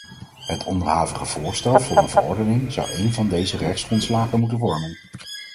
Het onderhavige voorstel voor een verordening zou één van deze rechtsgrondslagen moeten vormen!